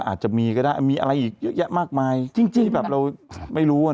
อาจจะมีก็ได้มีอะไรอีกเยอะแยะมากมายจริงจริงแบบเราไม่รู้อ่ะ